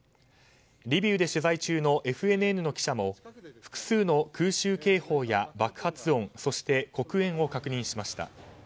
リビウで取材中のＦＮＮの記者も複数の空襲警報爆発音、そして黒煙を確認しました。